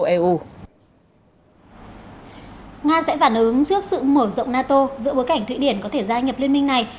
nga sẽ phản ứng trước sự mở rộng nato giữa bối cảnh thụy điển có thể gia nhập liên minh này